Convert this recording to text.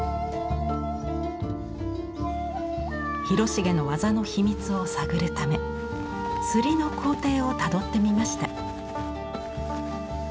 広重の技の秘密を探るため摺りの工程をたどってみました。